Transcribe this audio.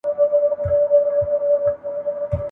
هر موسم یې ګل سرخ کې هر خزان ورته بهار کې ..